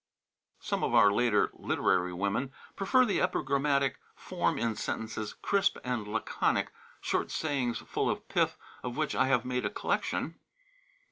Some of our later literary women prefer the epigrammatic form in sentences, crisp and laconic; short sayings full of pith, of which I have made a collection.